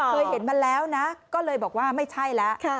เคยเห็นมาแล้วนะก็เลยบอกว่าไม่ใช่แล้ว